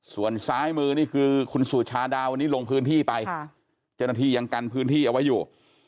ส่วนซ้ายมือนี่คือคุณสุชาดาวันนี้ลงพื้นที่ไปเจ้าหน้าที่ยังกันพื้นที่เอาไว้อยู่